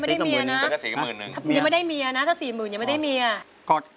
ร้องได้ให้ร้อง